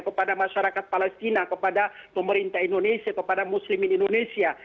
kepada masyarakat palestina kepada pemerintah indonesia kepada muslimin indonesia